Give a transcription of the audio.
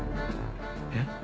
えっ？